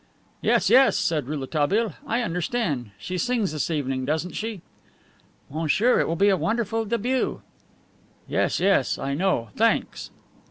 "Yes, yes," said Rouletabille, "I understand. She sings this evening, doesn't she?" "Monsieur, it will be a wonderful debut." "Yes, yes, I know. Thanks."